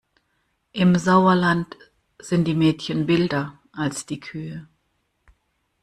Im Sauerland sind die Mädchen wilder als die Kühe.